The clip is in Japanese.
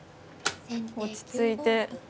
落ち着いて。